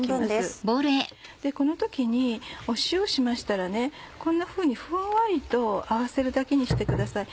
この時に塩しましたらこんなふうにふんわりと合わせるだけにしてください。